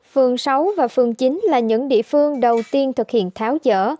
phường sáu và phường chín là những địa phương đầu tiên thực hiện tháo dỡ